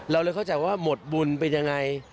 เราเลยเข้าใจว่าหมดบุญเป็นยังไง